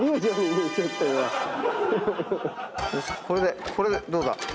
これでどうだ？